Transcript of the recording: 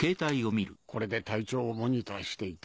これで体調をモニターしていた。